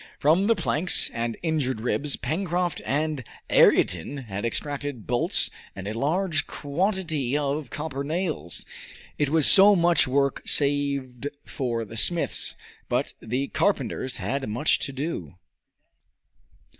From the planks and injured ribs Pencroft and Ayrton had extracted the bolts and a large quantity of copper nails. It was so much work saved for the smiths, but the carpenters had much to do.